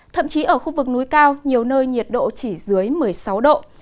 thậm chí ở khu vực núi cao nhiều nơi nhiệt độ chỉ dưới một mươi sáu độ